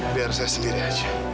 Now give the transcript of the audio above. biar saya sendiri aja